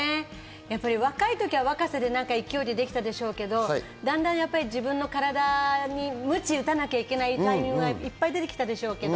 若い時は若さで勢いでできたでしょうけど、だんだん自分の体にムチ打たなきゃいけないタイミングが出てきたんでしょうけど。